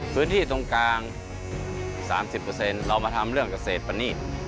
พื้นที่ตรงกลาง๓๐เรามาทำเรื่องเกษตรปณีต